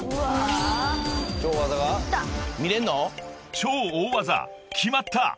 ［超大技決まった！］